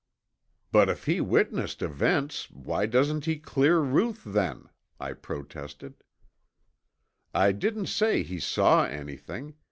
"But if he witnessed events, why doesn't he clear Ruth then?" I protested. "I didn't say he saw anything.